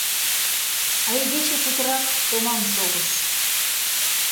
А игече путырак томам шогыш.